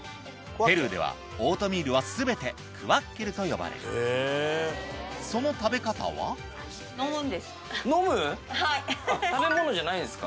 ペルーではオートミールは全てクワッケルと呼ばれその食べ方は飲む⁉食べ物じゃないんですか？